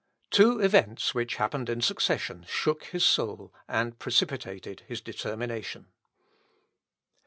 Two events, which happened in succession, shook his soul, and precipitated his determination.